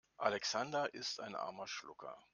Alexander ist ein armer Schlucker.